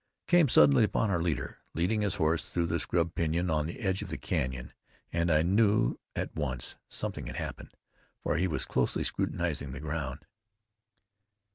I came suddenly upon our leader, leading his horse through the scrub pinyon on the edge of the canyon, and I knew at once something had happened, for he was closely scrutinizing the ground.